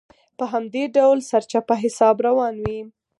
په همدې ډول سرچپه حساب روان وي.